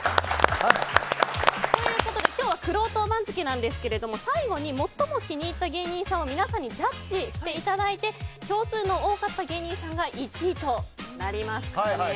今日はくろうと番付なんですが最後に最も気に入った芸人さんを皆さんにジャッジしていただいて票数の多かった芸人さんが１位となります。